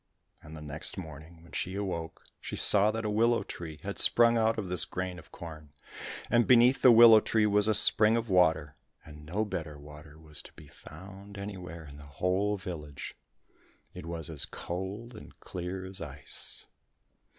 And the next morning, when she awoke, she saw that a willow tree had sprung out of this grain of corn, and beneath the willow tree was a spring of water, and no better water was to be found anywhere in the whole village. It was as cold and as clear as ice.